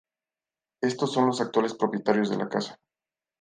Estos son los actuales propietarios de la casa.